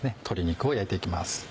鶏肉を焼いて行きます。